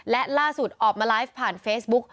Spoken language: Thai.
และล่าสุดออกมาไลฟ์ผ่านเฟซบุ๊ก